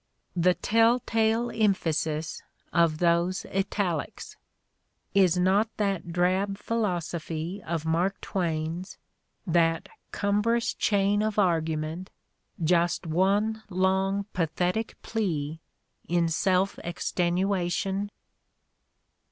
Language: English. The tell tale emphasis of those italics! Is not that drab philosophy of Mark Twain's, that cumbrous chain of argument, just one long pathetic plea in self extenuation